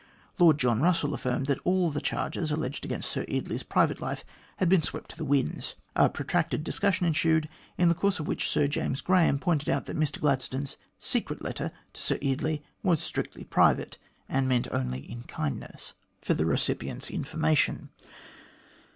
Lord John Russell affirmed that all the charges alleged against Sir Eardley's private life had been swept to the winds. A protracted discussion ensued, in the course of which Sir James Graham pointed out that Mr Gladstone's "secret" letter to Sir Eardley was strictly private, and meant only in kindness A GRIEVOUS ERROR OF MR GLADSTONE'S 163 for the recipient's information.